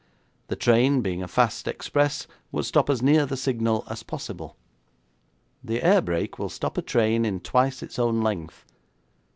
The train being a fast express would stop as near the signal as possible. The air brake will stop a train in twice its own length.